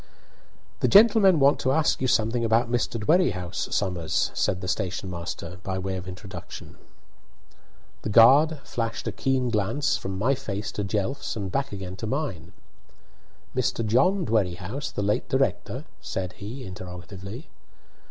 "The gentlemen want to ask you something about Mr. Dwerrihouse, Somers," said the station master, by way of introduction. The guard flashed a keen glance from my face to Jelf's and back again to mine. "Mr. John Dwerrihouse, the late director?" said he, interrogatively.